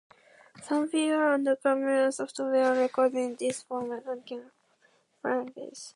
Some freeware and commercial software recognises this format, and can convert and play files.